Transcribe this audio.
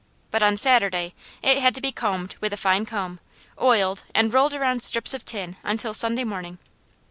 But on Saturday it had to be combed with a fine comb, oiled and rolled around strips of tin until Sunday morning.